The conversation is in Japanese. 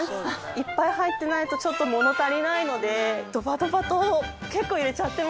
いっぱい入ってないとちょっと物足りないのでドバドバと結構入れちゃってますね。